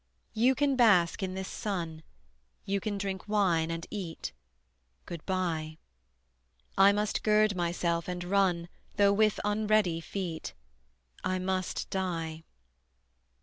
You can bask in this sun, You can drink wine, and eat: Good by. I must gird myself and run, Though with unready feet: I must die.